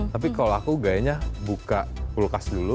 tapi kalau aku gayanya buka kulkas dulu